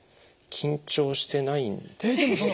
緊張してないんですかね。